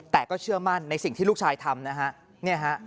แต่ก็เชื่อมั่นในสิ่งที่ลูกชายทำนะฮะ